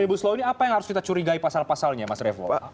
kalau om libu slough ini apa yang harus kita curigai pasal pasalnya mas revo